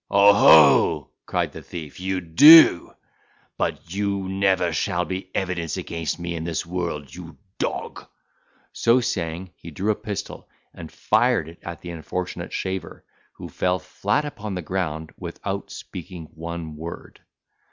"Oho!" cried the thief, "you do! But you never shall be evidence against me in this world, you dog!" So saying, he drew a pistol, and fired it at the unfortunate shaver, who fell flat upon the ground without speaking one word.